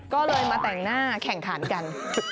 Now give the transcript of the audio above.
ก็เลยมาแต่งหน้าแข่งขันกัน